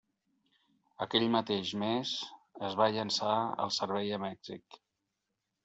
Aquell mateix mes es va llançar el servei a Mèxic.